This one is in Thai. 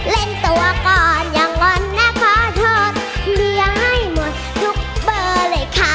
เล่นตัวก่อนอย่างวันนะขอโทษเลี้ยงให้หมดทุกเบอร์เลยค่ะ